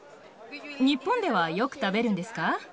日本ではよく食べるんですか？